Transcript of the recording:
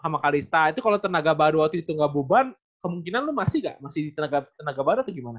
sama kalista itu kalau tenaga baru waktu itu nggak beban kemungkinan lu masih nggak masih di tenaga baru atau gimana